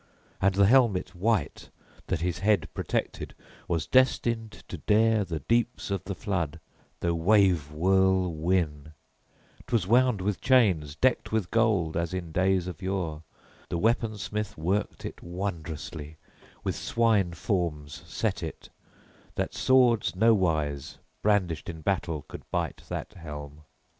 And the helmet white that his head protected was destined to dare the deeps of the flood, through wave whirl win: 'twas wound with chains, decked with gold, as in days of yore the weapon smith worked it wondrously, with swine forms set it, that swords nowise, brandished in battle, could bite that helm.